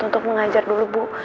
untuk mengajar dulu bu